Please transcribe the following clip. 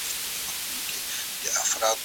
زه کولای سم کتاب ولولم!؟